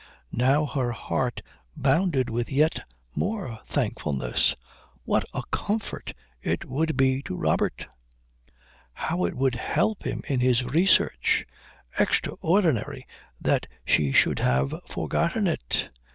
Now her heart bounded with yet more thankfulness. What a comfort it would be to Robert. How it would help him in his research. Extraordinary that she should have forgotten it.